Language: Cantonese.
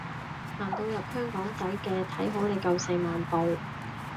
行到入香港仔嘅，睇好你夠四萬步